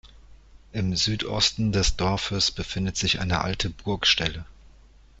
Im Südosten des Dorfes befindet sich eine alte Burgstelle.